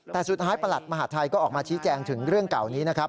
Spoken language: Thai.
แต่สุดท้ายประหลัดมหาทัยก็ออกมาชี้แจงถึงเรื่องเก่านี้นะครับ